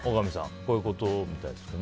こういうことみたいですけどね。